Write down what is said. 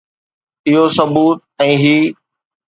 اهو ثبوت ۽ هي.